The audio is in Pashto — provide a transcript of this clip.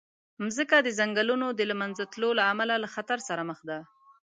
مځکه د ځنګلونو د له منځه تلو له امله له خطر سره مخ ده.